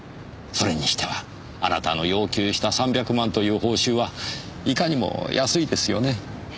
それにしてはあなたの要求した３００万という報酬はいかにも安いですよね。